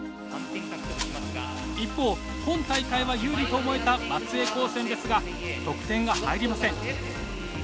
一方今大会は有利と思えた松江高専ですが得点が入りません。